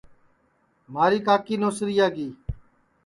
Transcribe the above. مہاری کاکی نوسریا کی